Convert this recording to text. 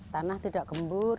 tanah tidak gembur